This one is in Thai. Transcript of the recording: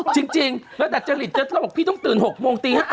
จริงแล้วแต่เจริตเจ็ดเราบอกพี่ต้องตื่น๖โมงตี